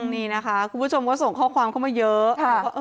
นี่นะคะคุณผู้ชมก็ส่งข้อความเข้ามาเยอะ